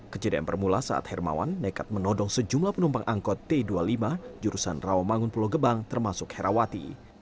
kejadian bermula saat hermawan nekat menodong sejumlah penumpang angkot t dua puluh lima jurusan rawamangun pulau gebang termasuk herawati